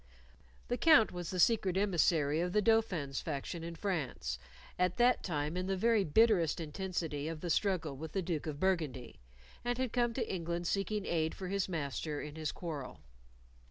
The Count was the secret emissary of the Dauphin's faction in France, at that time in the very bitterest intensity of the struggle with the Duke of Burgundy, and had come to England seeking aid for his master in his quarrel.